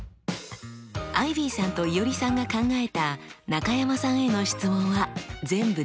アイビーさんといおりさんが考えた中山さんへの質問は全部で８問。